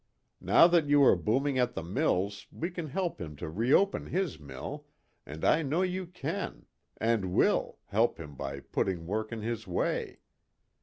Now that you are booming at the mills we can help him to reopen his mill, and I know you can, and will, help him by putting work in his way.